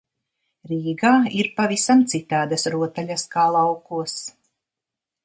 Rīgā ir pavisam citādas rotaļas kā laukos.